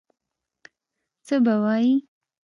څه به وایي.